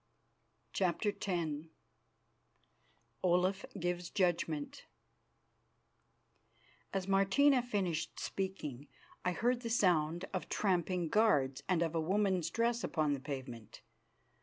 CHAPTER X OLAF GIVES JUDGMENT As Martina finished speaking I heard the sound of tramping guards and of a woman's dress upon the pavement.